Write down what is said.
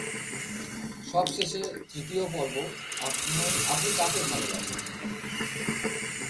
সবশেষে, তৃতীয় পর্ব, 'আপনি কাকে ভালবাসেন?